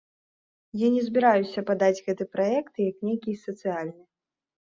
Я не збіраюся падаць гэты праект як нейкі сацыяльны.